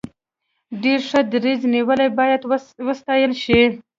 ډیر ښه دریځ نیولی باید وستایل شي.